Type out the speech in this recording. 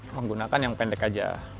menggunakan yang pendek aja